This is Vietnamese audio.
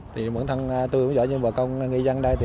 thì bản thân tôi cũng giỏi như bà công nghị dân đây thì